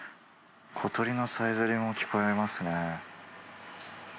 小鳥のさえずりも聞こえますね。